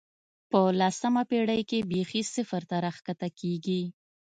په لسمه پېړۍ کې بېخي صفر ته راښکته کېږي.